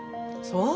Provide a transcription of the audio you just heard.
そう。